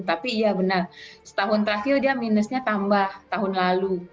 tapi iya benar setahun terakhir dia minusnya tambah tahun lalu